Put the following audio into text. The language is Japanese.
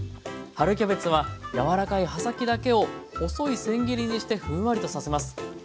春キャベツは柔らかい葉先だけを細いせん切りにしてふんわりとさせます。